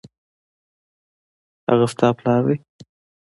هغه ستا پلار دی